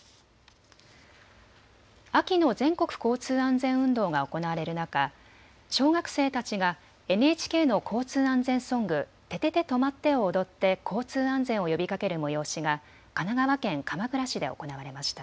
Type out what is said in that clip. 秋の全国交通安全運動が行われる中、小学生たちがＮＨＫの交通安全ソング、ててて！とまって！を踊って交通安全を呼びかける催しが神奈川県鎌倉市で行われました。